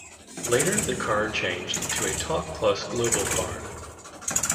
Later the card changed to a TalkPlus Global card.